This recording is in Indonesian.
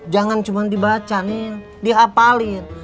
jangan cuman dibaca nin di hafalin